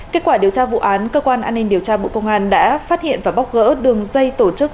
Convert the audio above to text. kết quả điều tra vụ án cơ quan an ninh điều tra bộ công an đã phát hiện và bóc gỡ đường dây tổ chức